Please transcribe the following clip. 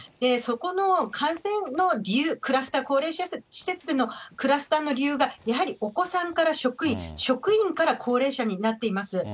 そこの感染の理由、クラスター、高齢者施設でのクラスターの理由が、やはりお子さんから職員、職員から高齢者になっています。